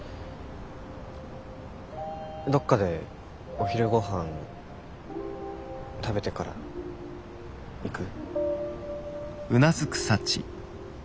どっかでお昼ごはん食べてから行く？